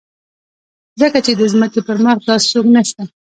ځکه چې د ځمکې پر مخ داسې څوک نشته.